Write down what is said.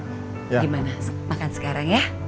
gimana makan sekarang ya